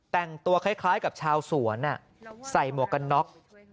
แต่งตัวคล้ายกับชาวสวนใส่หมวกกันน็อก